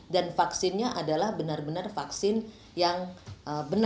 dan vaksinnya adalah benar benar vaksin yang benar